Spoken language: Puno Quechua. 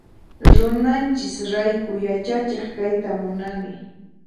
Runanchis rayku yachachiq kayta munani.